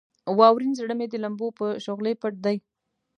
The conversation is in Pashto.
واورین زړه مې د لمبو په شغلې پټ دی.